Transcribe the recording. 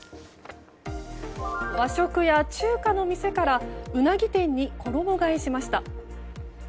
和食や中華の店からうなぎ店に衣替えしました。